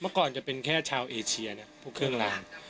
ก่อนจะเป็นแค่ชาวเอเชียนะพวกเครื่องลาง